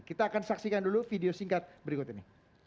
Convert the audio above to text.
kita akan saksikan dulu video singkat berikut ini